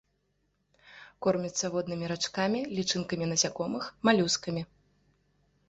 Корміцца воднымі рачкамі, лічынкамі насякомых, малюскамі.